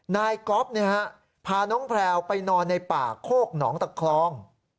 นายก๊อฟพาน้องแพลวไปนอนในป่าโคกหนองตะคลอง